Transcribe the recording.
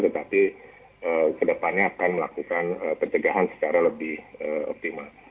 tetapi ke depannya akan melakukan pencegahan secara lebih optimal